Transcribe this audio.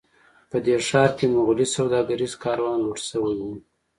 په دې ښار کې مغولي سوداګریز کاروان لوټ شوی و.